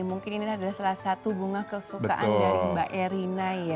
mungkin ini adalah salah satu bunga kesukaan dari mbak erina ya